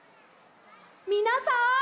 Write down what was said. みなさん